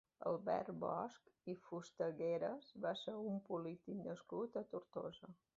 Albert Bosch i Fustegueras va ser un polític nascut a Tortosa.